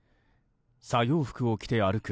作業服を着て歩く